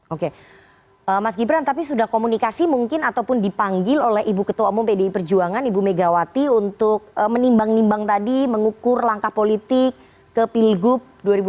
oke mas gibran tapi sudah komunikasi mungkin ataupun dipanggil oleh ibu ketua umum pdi perjuangan ibu megawati untuk menimbang nimbang tadi mengukur langkah politik ke pilgub dua ribu dua puluh